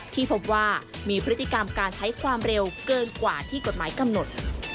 ที่พบว่ามีพฤติกรรมการใช้ความเร็วเกินกว่าที่กฎหมายกำหนด